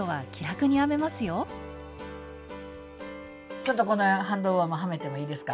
ちょっとこのハンドウォーマーはめてもいいですか？